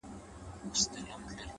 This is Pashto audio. دي روح کي اغښل سوی دومره،